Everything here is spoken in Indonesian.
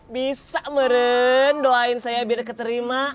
bisa meru doain saya biar keterima